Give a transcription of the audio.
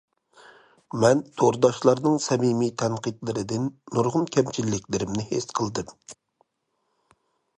مەن تورداشلارنىڭ سەمىمىي تەنقىدلىرىدىن نۇرغۇن كەمچىلىكلىرىمنى ھېس قىلدىم.